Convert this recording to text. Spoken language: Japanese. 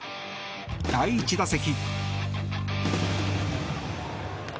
第１打席。